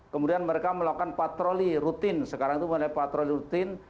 kemudian mereka melakukan patroli rutin sekarang itu mulai patroli rutin